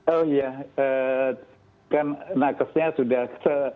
oh iya kan nakesnya sudah